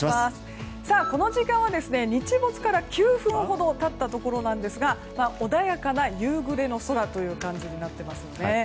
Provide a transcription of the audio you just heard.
この時間は、日没から９分ほど経ったところなんですが穏やかな夕暮れの空という感じになっていますね。